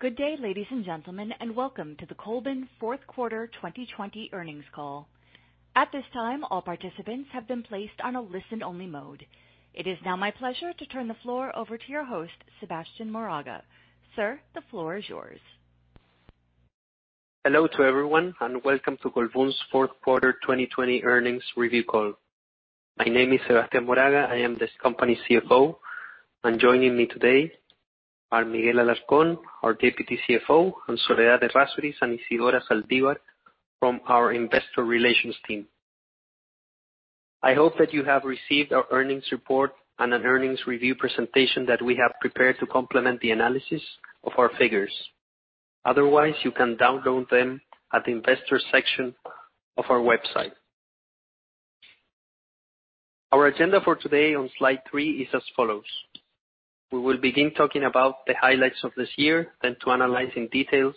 Good day, ladies and gentlemen, welcome to the Colbún fourth quarter 2020 earnings call. It is now my pleasure to turn the floor over to your host, Sebastián Moraga. Sir, the floor is yours. Hello to everyone, and welcome to Colbún's fourth quarter 2020 earnings review call. My name is Sebastián Moraga. I am this company's CFO. Joining me today are Miguel Alarcón, our Deputy CFO, and Soledad Errázuriz, and Isidora Zaldívar from our Investor Relations team. I hope that you have received our earnings report and an earnings review presentation that we have prepared to complement the analysis of our figures. You can download them at the investor section of our website. Our agenda for today on slide three is as follows. We will begin talking about the highlights of this year, then to analyzing details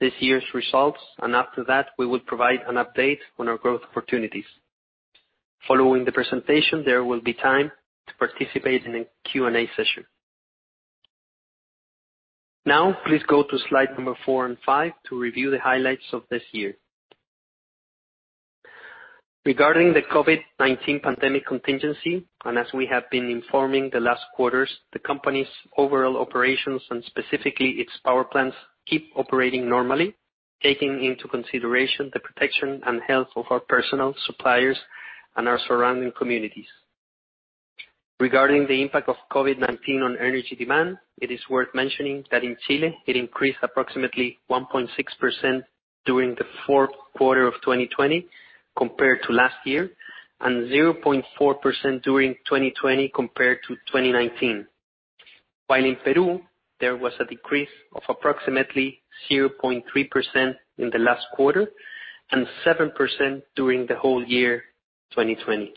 this year's results, after that, we will provide an update on our growth opportunities. Following the presentation, there will be time to participate in a Q&A session. Please go to slide number four and five to review the highlights of this year. Regarding the COVID-19 pandemic contingency, and as we have been informing the last quarters, the company's overall operations, and specifically its power plants, keep operating normally, taking into consideration the protection and health of our personnel, suppliers, and our surrounding communities. Regarding the impact of COVID-19 on energy demand, it is worth mentioning that in Chile, it increased approximately 1.6% during the fourth quarter of 2020 compared to last year, and 0.4% during 2020 compared to 2019. While in Peru, there was a decrease of approximately 0.3% in the last quarter and 7% during the whole year 2020.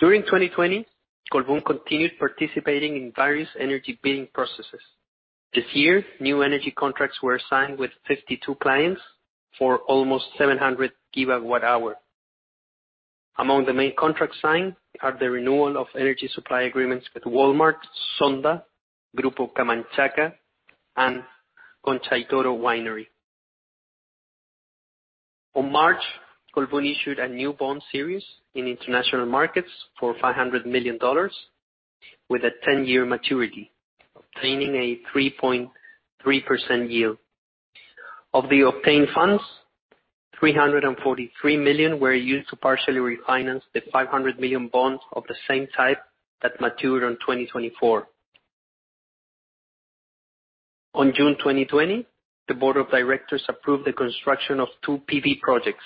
During 2020, Colbún continued participating in various energy bidding processes. This year, new energy contracts were signed with 52 clients for almost 700 gigawatt hour. Among the main contracts signed are the renewal of energy supply agreements with Walmart, SONDA, Grupo Camanchaca, and Concha y Toro Winery. On March, Colbún issued a new bond series in international markets for $500 million with a 10-year maturity, obtaining a 3.3% yield. Of the obtained funds, $343 million were used to partially refinance the $500 million bonds of the same type that mature on 2024. On June 2020, the board of directors approved the construction of two PV projects.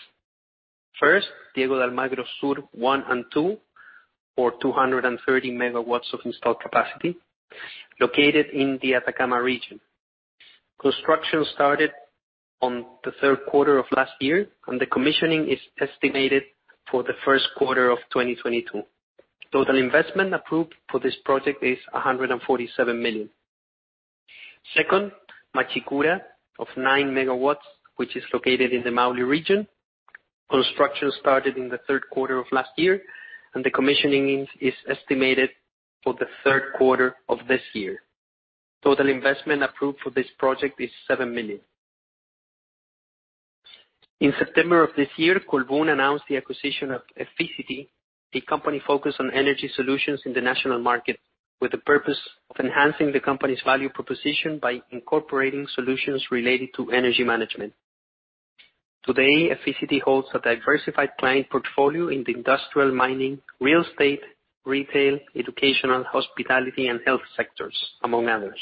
First, Diego de Almagro Sur 1 and 2, or 230 MW of installed capacity, located in the Atacama Region. Construction started on the third quarter of last year, and the commissioning is estimated for the first quarter of 2022. Total investment approved for this project is $147 million. Second, Machicura of nine MW, which is located in the Maule region. Construction started in the third quarter of last year, and the commissioning is estimated for the third quarter of this year. Total investment approved for this project is $7 million. In September of this year, Colbún announced the acquisition of Efizity, a company focused on energy solutions in the national market, with the purpose of enhancing the company's value proposition by incorporating solutions related to energy management. Today, Efizity holds a diversified client portfolio in the industrial, mining, real estate, retail, educational, hospitality, and health sectors, among others.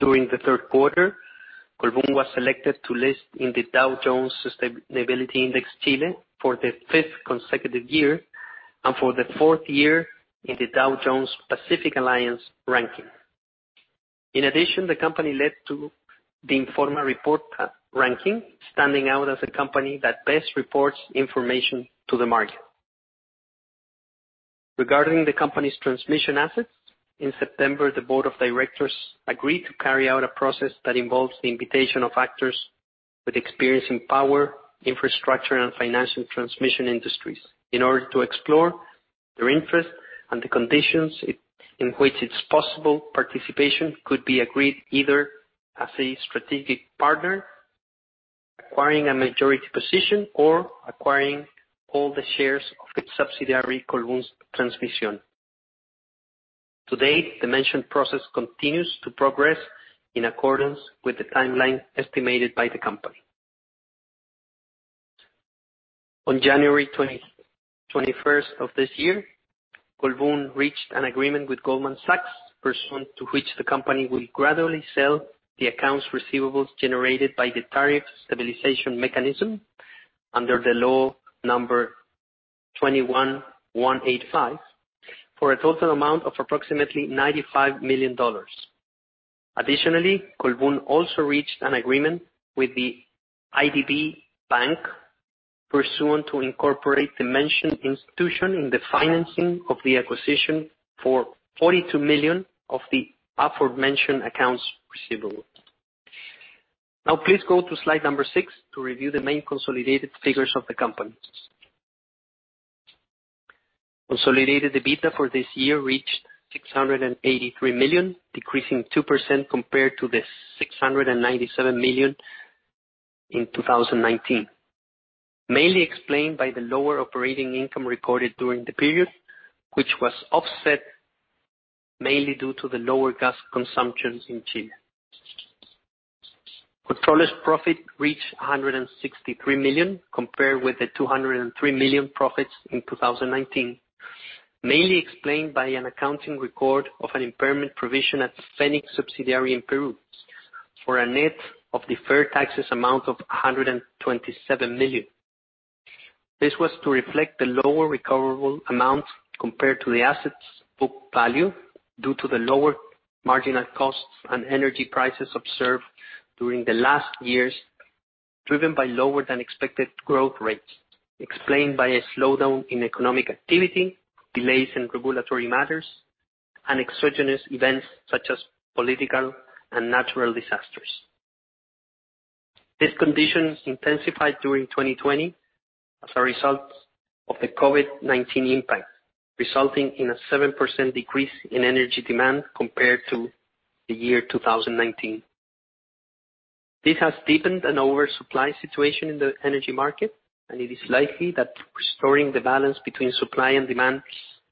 During the third quarter, Colbún was selected to list in the Dow Jones Sustainability Index Chile for the fifth consecutive year and for the fourth year in the Dow Jones Pacific Alliance ranking. In addition, the company led to the Informe Reporta ranking, standing out as a company that best reports information to the market. Regarding the company's transmission assets, in September, the board of directors agreed to carry out a process that involves the invitation of actors with experience in power, infrastructure, and financial transmission industries in order to explore their interest and the conditions in which its possible participation could be agreed either as a strategic partner, acquiring a majority position, or acquiring all the shares of its subsidiary, Colbún Transmisión. To date, the mentioned process continues to progress in accordance with the timeline estimated by the company. On January 21st of this year, Colbún reached an agreement with Goldman Sachs, pursuant to which the company will gradually sell the accounts receivables generated by the tariff stabilization mechanism under the Law No. 21,185 for a total amount of approximately $95 million. Additionally, Colbún also reached an agreement with IDB Invest, pursuant to incorporate the mentioned institution in the financing of the acquisition for $42 million of the aforementioned accounts receivable. Please go to slide number six to review the main consolidated figures of the company. Consolidated EBITDA for this year reached $683 million, decreasing 2% compared to the $697 million in 2019, mainly explained by the lower operating income recorded during the period, which was offset mainly due to the lower gas consumption in Chile. Controller's profit reached $163 million, compared with the $203 million profits in 2019, mainly explained by an accounting record of an impairment provision at Fenix subsidiary in Peru for a net of deferred taxes amount of $127 million. This was to reflect the lower recoverable amount compared to the assets' book value due to the lower marginal costs and energy prices observed during the last years, driven by lower than expected growth rates, explained by a slowdown in economic activity, delays in regulatory matters, and exogenous events such as political and natural disasters. These conditions intensified during 2020 as a result of the COVID-19 impact, resulting in a 7% decrease in energy demand compared to the year 2019. This has deepened an oversupply situation in the energy market, and it is likely that restoring the balance between supply and demand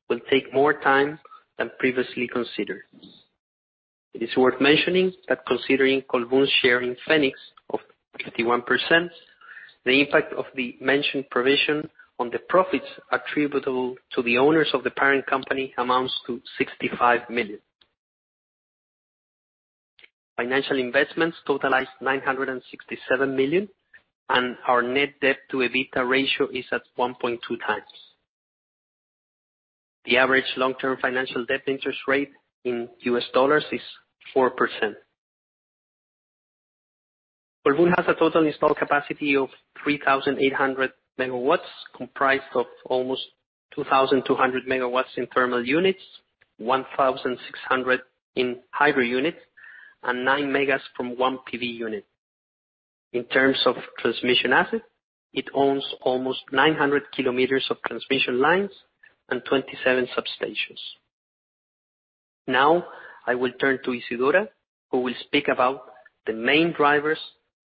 will take more time than previously considered. It is worth mentioning that considering Colbún's share in Fenix of 51%, the impact of the mentioned provision on the profits attributable to the owners of the parent company amounts to $65 million. Financial investments totalized $967 million, and our net debt to EBITDA ratio is at 1.2 times. The average long-term financial debt interest rate in US dollars is 4%. Colbún has a total installed capacity of 3,800 megawatts, comprised of almost 2,200 megawatts in thermal units, 1,600 in hydro units, and nine megas from one PV unit. In terms of transmission assets, it owns almost 900 kilometers of transmission lines and 27 substations. Now, I will turn to Isidora, who will speak about the main drivers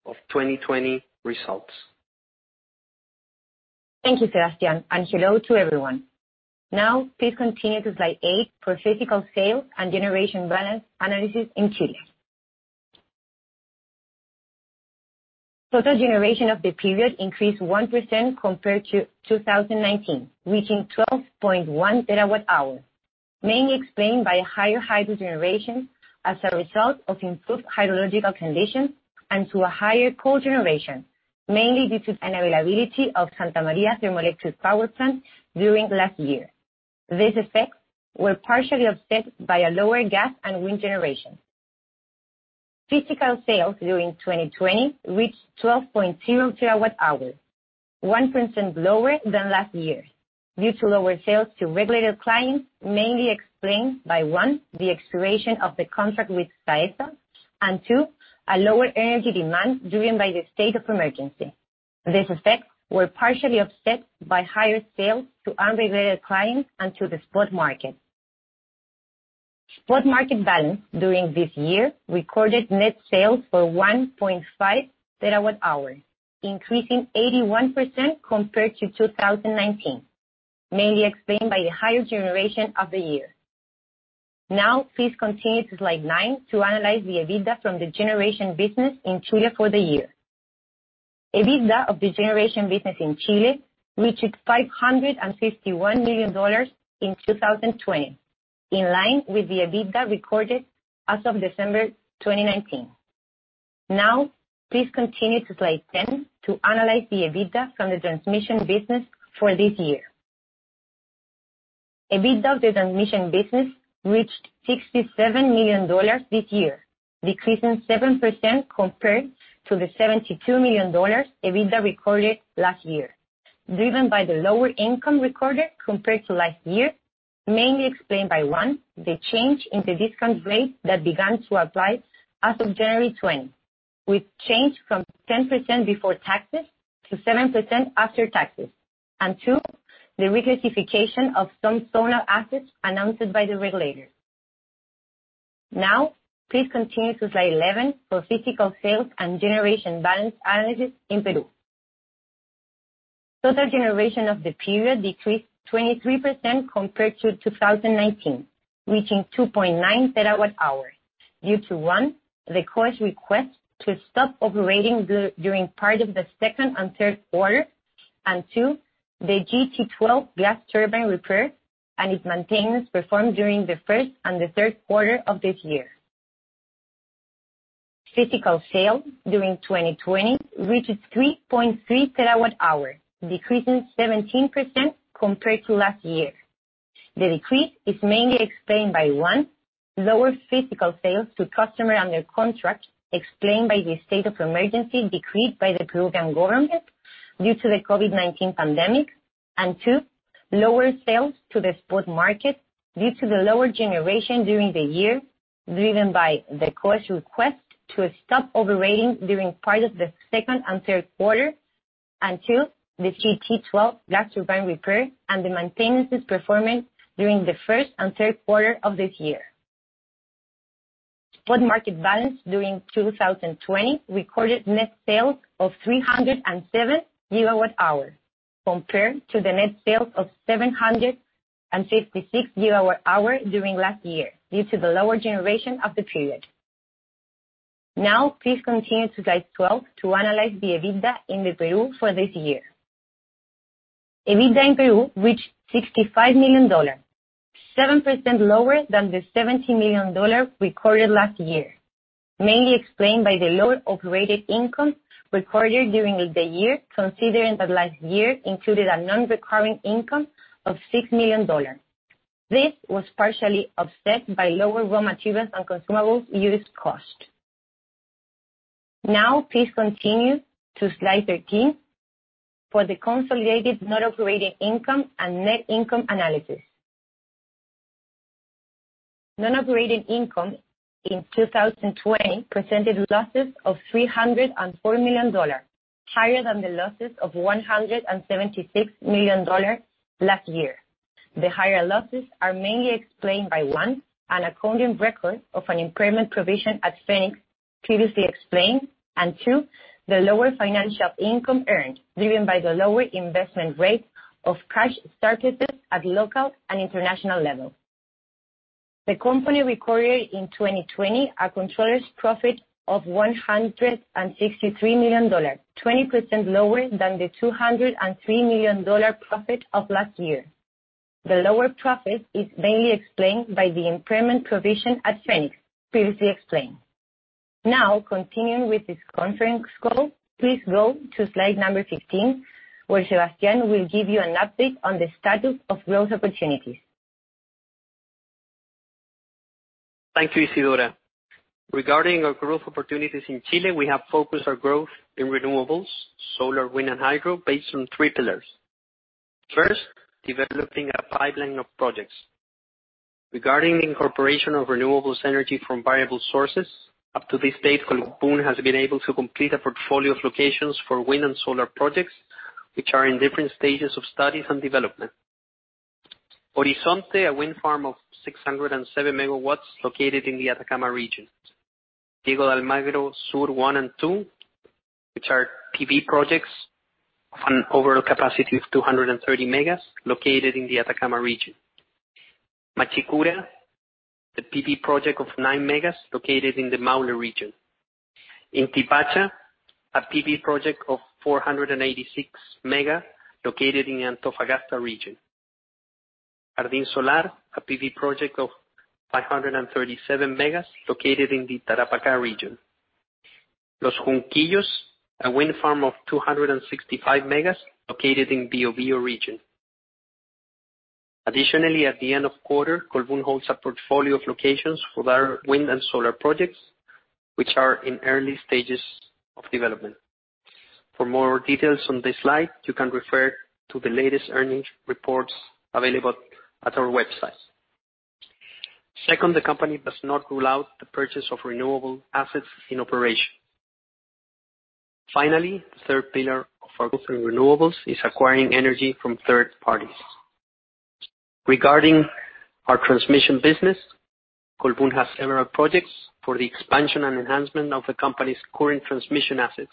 of 2020 results. Thank you, Sebastián, and hello to everyone. Please continue to slide eight for physical sales and generation balance analysis in Chile. Total generation of the period increased 1% compared to 2019, reaching 12.1 terawatt-hours, mainly explained by higher hydro generation as a result of improved hydrological conditions and to a higher coal generation, mainly due to unavailability of Santa María Thermoelectric Power Plant during last year. These effects were partially offset by a lower gas and wind generation. Physical sales during 2020 reached 12.0 terawatt-hours, 1% lower than last year due to lower sales to regulated clients, mainly explained by, one, the expiration of the contract with Saesa, and two, a lower energy demand driven by the state of emergency. These effects were partially offset by higher sales to unregulated clients and to the spot market. Spot market balance during this year recorded net sales for 1.5 terawatt-hour, increasing 81% compared to 2019, mainly explained by the higher generation of the year. Please continue to slide nine to analyze the EBITDA from the generation business in Chile for the year. EBITDA of the generation business in Chile reached $551 million in 2020, in line with the EBITDA recorded as of December 2019. Please continue to slide 10 to analyze the EBITDA from the transmission business for this year. EBITDA of the transmission business reached $67 million this year, decreasing 7% compared to the $72 million EBITDA recorded last year, driven by the lower income recorded compared to last year, mainly explained by, one, the change in the discount rate that began to apply as of January 20, which changed from 10% before taxes to 7% after taxes. Two, the reclassification of some zonal assets announced by the regulator. Please continue to slide 11 for physical sales and generation balance analysis in Peru. Total generation of the period decreased 23% compared to 2019, reaching 2.9 terawatt-hours, due to, one, the COES request to stop operating during part of the second and third quarter, and two, the GT12 gas turbine repair and its maintenance performed during the first and the third quarter of this year. Physical sales during 2020 reached 3.3 terawatt-hours, decreasing 17% compared to last year. The decrease is mainly explained by, one, lower physical sales to customer under contract, explained by the state of emergency decreed by the Peruvian government. Due to the COVID-19 pandemic, and two, lower sales to the spot market due to the lower generation during the year, driven by the COES request to stop operating during part of the second and third quarter, and two, the GT12 gas turbine repair and the maintenance's performance during the first and third quarter of this year. Spot market balance during 2020 recorded net sales of 307 gigawatt-hour, compared to the net sales of 756 gigawatt-hour during last year, due to the lower generation of the period. Now, please continue to slide 12 to analyze the EBITDA in Peru for this year. EBITDA in Peru reached $65 million, 7% lower than the $70 million recorded last year, mainly explained by the lower operating income recorded during the year, considering that last year included a non-recurring income of $6 million. This was partially offset by lower raw materials and consumables used cost. Please continue to slide 13 for the consolidated non-operating income and net income analysis. Non-operating income in 2020 presented losses of $304 million, higher than the losses of $176 million last year. The higher losses are mainly explained by one, an accounting record of an impairment provision at Fenix previously explained, and two, the lower financial income earned, driven by the lower investment rate of cash surpluses at local and international level. The company recorded in 2020 a controllers profit of $163 million, 20% lower than the $203 million profit of last year. The lower profit is mainly explained by the impairment provision at Fenix, previously explained. Now, continuing with this conference call, please go to slide number 15, where Sebastián will give you an update on the status of growth opportunities. Thank you, Isidora. Regarding our growth opportunities in Chile, we have focused our growth in renewables, solar, wind, and hydro, based on three pillars. First, developing a pipeline of projects. Regarding the incorporation of renewables energy from variable sources, up to this date, Colbún has been able to complete a portfolio of locations for wind and solar projects, which are in different stages of studies and development. Horizonte, a wind farm of 607 megawatts located in the Atacama Region. Diego de Almagro Sur one and two, which are PV projects of an overall capacity of 230 megas located in the Atacama Region. Machicura, the PV project of nine megas located in the Maule Region. Intipacha, a PV project of 486 mega located in Antofagasta Region. Jardín Solar, a PV project of 537 megas located in the Tarapacá Region. Los Junquillos, a wind farm of 265 megas located in Biobío Region. Additionally, at the end of quarter, Colbún holds a portfolio of locations for their wind and solar projects, which are in early stages of development. For more details on this slide, you can refer to the latest earnings reports available at our website. Second, the company does not rule out the purchase of renewable assets in operation. Finally, the third pillar of our growth in renewables is acquiring energy from third parties. Regarding our transmission business, Colbún has several projects for the expansion and enhancement of the company's current transmission assets,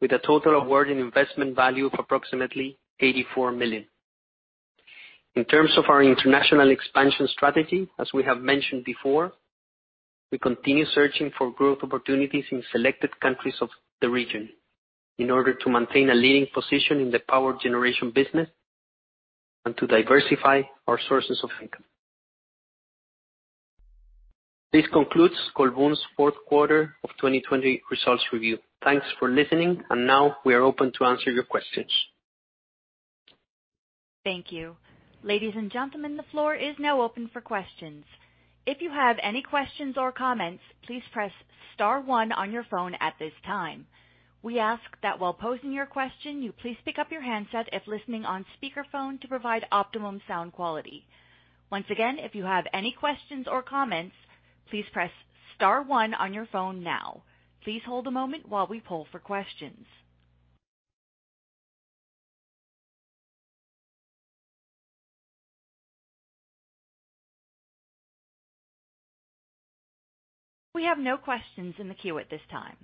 with a total award in investment value of approximately $84 million. In terms of our international expansion strategy, as we have mentioned before, we continue searching for growth opportunities in selected countries of the region in order to maintain a leading position in the power generation business and to diversify our sources of income. This concludes Colbún's fourth quarter of 2020 results review. Thanks for listening, and now we are open to answer your questions. Thank you. Ladies and gentlemen, the floor is now open for questions. If you have any questions or comments, please press star one on your phone at this time. We ask that while posing your question, you please pick up your handset if listening on speakerphone to provide optimum sound quality. Once again, if you have any questions or comments, please press star one on your phone now. Please hold a moment while we poll for questions. We have no questions in the queue at this time.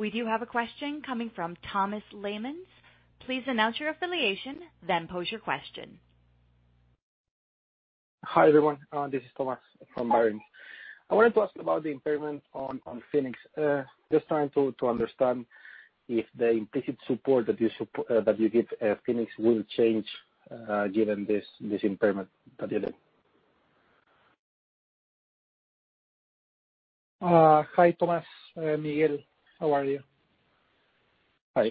We do have a question coming from Thomas Leymans. Please announce your affiliation, then pose your question. Hi, everyone. This is Thomas from Bernstein. I wanted to ask about the impairment on Fenix. Just trying to understand if the implicit support that you give Fenix will change, given this impairment that you did. Hi, Thomas. I'm Miguel, how are you? Hi.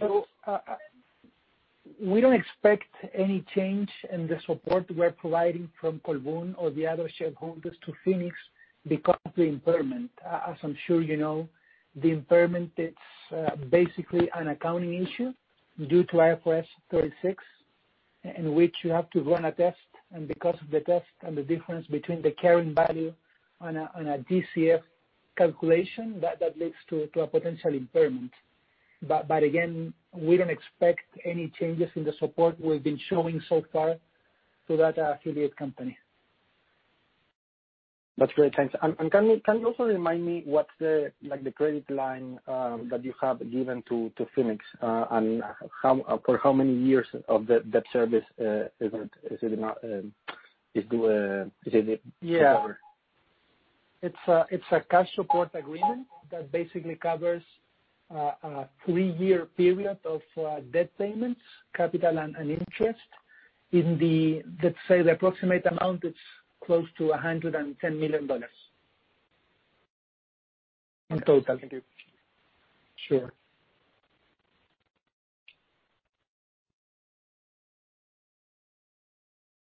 We don't expect any change in the support we're providing from Colbún or the other shareholders to Fenix because of the impairment. As I'm sure you know, the impairment, it's basically an accounting issue due to IAS 36, in which you have to run a test, and because of the test and the difference between the current value on a DCF calculation, that leads to a potential impairment. Again, we don't expect any changes in the support we've been showing so far to that affiliate company. That's great. Thanks. Can you also remind me what's the credit line that you have given to Fenix, and for how many years of debt service is it covered? Yeah. It's a cash support agreement that basically covers a three-year period of debt payments, capital, and interest. In the, let's say, the approximate amount, it's close to $110 million. In total. Thank you. Sure.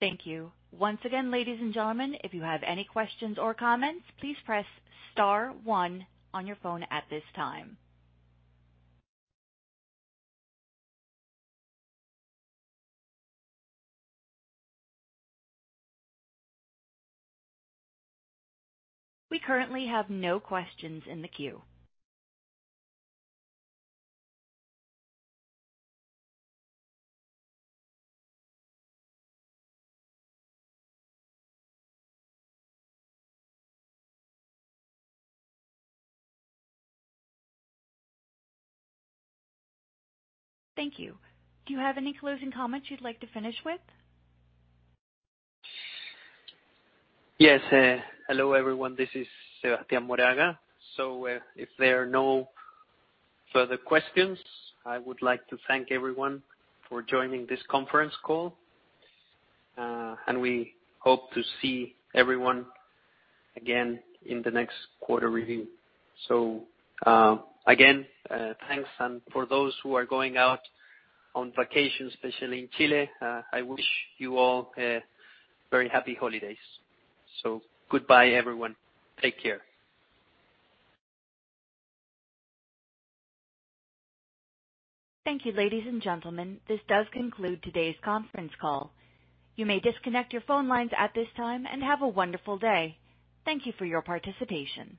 Thank you. Once again, ladies and gentlemen, if you have any questions or comments, please press star one on your phone at this time. We currently have no questions in the queue. Thank you. Do you have any closing comments you'd like to finish with? Yes. Hello, everyone. This is Sebastián Moraga. If there are no further questions, I would like to thank everyone for joining this conference call. We hope to see everyone again in the next quarter review. Again, thanks, and for those who are going out on vacation, especially in Chile, I wish you all very happy holidays. Goodbye, everyone. Take care. Thank you, ladies and gentlemen. This does conclude today's conference call. You may disconnect your phone lines at this time, and have a wonderful day. Thank you for your participation.